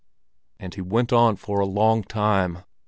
And he went on for a long time.